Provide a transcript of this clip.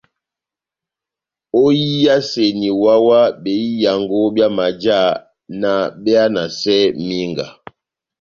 Óhiyaseni wáhá-wáhá behiyango byá majá na behanasɛ mínga.